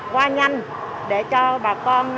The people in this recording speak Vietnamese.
qua nhanh để cho bà con